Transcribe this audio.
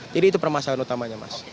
jadi itu permasalahan utamanya mas